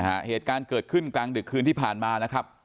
เหตุการณ์เกิดขึ้นกลางดึกคืนที่ผ่านมานะครับ